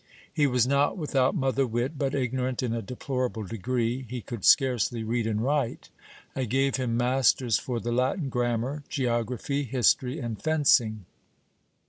He was not without mother wit, but ignorant in a deplorable degree; he could scarcely read and write. I gave him masters for the Latin grammar, geography, history, and fencing.